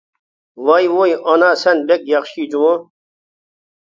-ۋاي-ۋۇي ئانا سەن بەك ياخشى جۇمۇ.